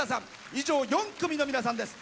以上４組の皆さんです。